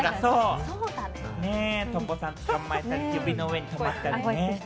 トンボさん捕まえたり、指の上に止まらせたり。